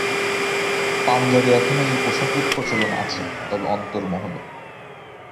পাঞ্জাবে এখনো এই পোশাকের প্রচলন আছে তবে অন্তরমহলে।